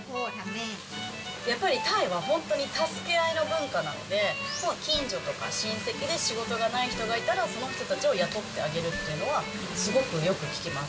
やっぱりタイは本当に助け合いの文化なので、近所とか親戚で仕事がない人がいたら、その人たちを雇ってあげるっていうのは、すごくよく聞きます。